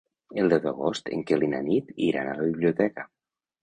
El deu d'agost en Quel i na Nit iran a la biblioteca.